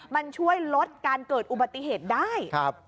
มันช่วยลดการเกิดอุบัติเหตุได้